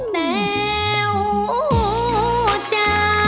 แท้วจะ